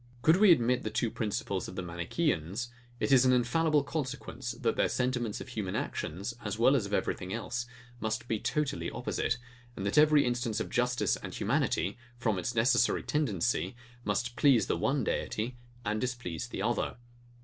Could we admit the two principles of the Manicheans, it is an infallible consequence, that their sentiments of human actions, as well as of everything else, must be totally opposite, and that every instance of justice and humanity, from its necessary tendency, must please the one deity and displease the other.